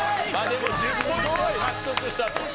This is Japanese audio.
でも１０ポイントは獲得したと。